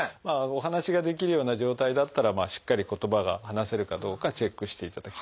お話ができるような状態だったらしっかり言葉が話せるかどうかチェックしていただきたいですね。